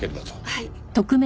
はい。